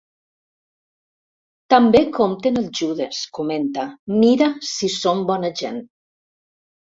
També compten el Judes, comenta, mira si són bona gent.